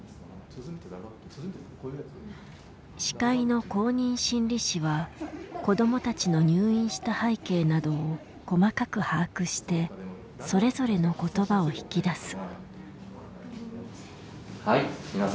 司会の公認心理師は子どもたちの入院した背景などを細かく把握してそれぞれの言葉を引き出す。